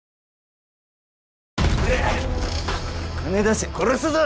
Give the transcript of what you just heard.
金出せ殺すぞ。